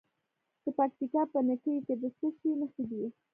د پکتیکا په نکې کې د څه شي نښې دي؟